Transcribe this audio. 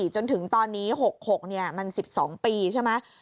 จนถึงตอนนี้๖๖มัน๑๒ปีใช่ไหม